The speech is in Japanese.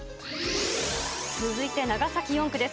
続いて長崎４区です。